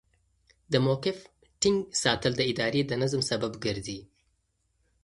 د موقف ټینګ ساتل د ادارې د نظم سبب ګرځي.